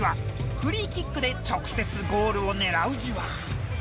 フリーキックで直接ゴールを狙うじわ。